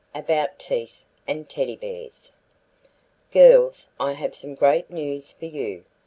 ABOUT TEETH AND TEDDY BEARS. "Girls, I have some great news for you.